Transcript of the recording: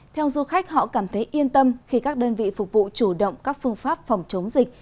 theo du khách họ cảm thấy yên tâm khi các đơn vị phục vụ chủ động các phương pháp phòng chống dịch